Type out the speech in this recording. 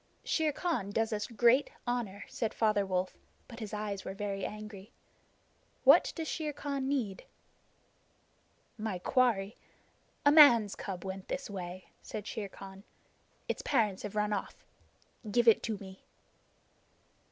"Shere Khan does us great honor," said Father Wolf, but his eyes were very angry. "What does Shere Khan need?" "My quarry. A man's cub went this way," said Shere Khan. "Its parents have run off. Give it to me."